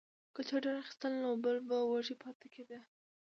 که چا ډیر اخیستل نو بل به وږی پاتې کیده.